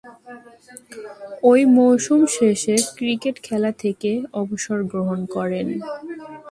ঐ মৌসুম শেষে ক্রিকেট খেলা থেকে অবসর গ্রহণ করেন।